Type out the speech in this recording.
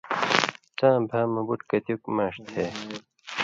څاں بھا مہ بُٹ کتِیُوک مانݜ تھے؟